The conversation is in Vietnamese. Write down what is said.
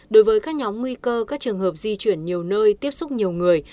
đối với các nhóm nguy cơ các trường hợp di chuyển nhiều nơi tiếp xúc nhiều người